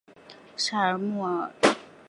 沙尔穆瓦尔。